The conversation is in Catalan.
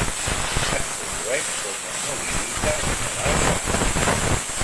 Es produeix com la molibita mineral rara.